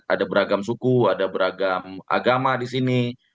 ada beragam suku ada beragam agama di sini